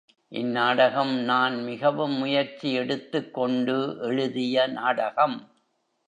இந்நாடகம் நான் மிகவும் முயற்சி எடுத்துக்கொண்டு எழுதிய நாடகம்.